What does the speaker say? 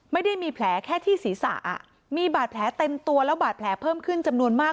ไม่ได้มีแผลแค่ที่ศีรษะมีบาดแผลเต็มตัวแล้วบาดแผลเพิ่มขึ้นจำนวนมาก